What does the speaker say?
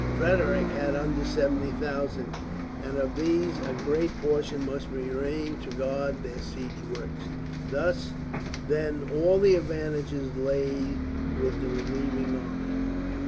Frederick had under 70,000, and of these a great portion must remain to guard their siege works. Thus, then, all the advantages lay with the relieving army.